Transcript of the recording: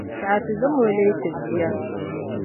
Chɛ ka ti zaŋ o n-leei ti bia.